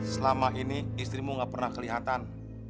selama ini istrimu gak pernah kelihatan